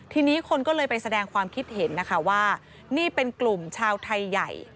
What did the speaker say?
ทีนี้คนก็เลยไปแสดงความคิดเห็นนะคะว่านี่เป็นกลุ่มชาวไทยใหญ่